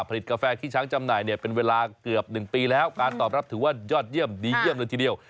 กาแฟขี้ช้างจำหน่ายเนี่ยเป็นเวลาเกือบ๑ปีแล้วการตอบรับถือว่ายอดเยี่ยมดีเยี่ยมเลยทีเดียว